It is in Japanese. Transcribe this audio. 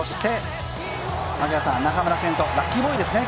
中村健人、今日のラッキーボーイですね。